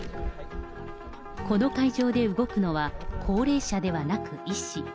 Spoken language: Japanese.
この会場で動くのは、高齢者ではなく、医師。